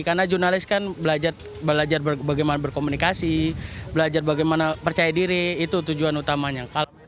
karena jurnalis kan belajar bagaimana berkomunikasi belajar bagaimana percaya diri itu tujuan utamanya